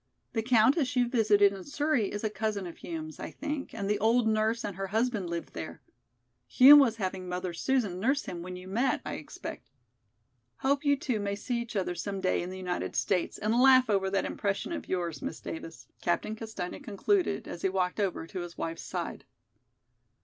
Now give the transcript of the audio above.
The Countess you visited in Surrey is a cousin of Hume's, I think, and the old nurse and her husband live there. Hume was having Mother Susan nurse him when you met, I expect. Hope you two may see each other some day in the United States and laugh over that impression of yours, Miss Davis," Captain Castaigne concluded, as he walked over to his wife's side.